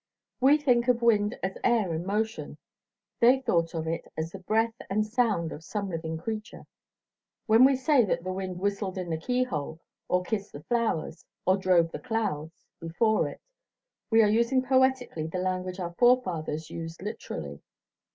We think of wind as air in motion; they thought of it as the breath and sound of some living creature. When we say that the wind "whistled in the keyhole," or "kissed the flowers," or "drove the clouds" before it, we are using poetically the language our forefathers used literally.